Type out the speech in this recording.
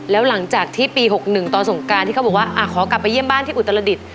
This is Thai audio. แล้วหลังจากที่ปี๖๑ตอนสงการที่เขาบอกว่าขอกลับไปเยี่ยมบ้านที่อุตรดิษฐ์